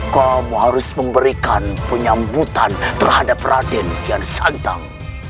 kamu harus memberikan penyambutan terhadap raden yang santang